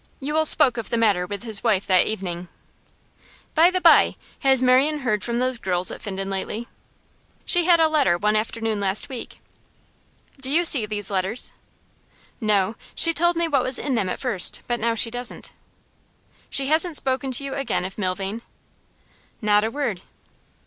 Yule spoke of the matter with his wife that evening. 'By the bye, has Marian heard from those girls at Finden lately?' 'She had a letter one afternoon last week.' 'Do you see these letters?' 'No; she told me what was in them at first, but now she doesn't.' 'She hasn't spoken to you again of Milvain?' 'Not a word.